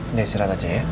udah istirahat aja ya